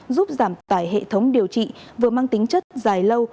giúp giảm tải hệ thống điều trị vừa mang tính chất dài lâu